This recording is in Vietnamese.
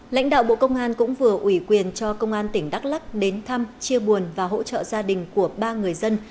lãnh đạo bộ công an cũng vừa ủy quyền cho công an tỉnh đắk lắc đến thăm chia buồn và hỗ trợ gia đình của ba người dân